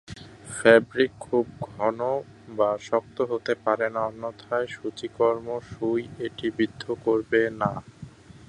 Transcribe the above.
Fabric খুব ঘন বা শক্ত হতে পারে না, অন্যথায় সূচিকর্ম সুই এটি বিদ্ধ করবে না।